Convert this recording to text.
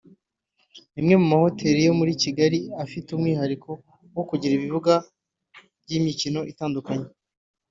ni imwe mu mahoteli yo muri Kigali afite umwihariko wo kugira ibibuga by’imikino itandukanye